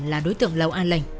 là đối tượng lẩu an lành